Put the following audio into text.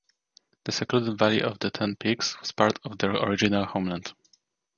The secluded Valley of the Ten Peaks was part of their original homeland.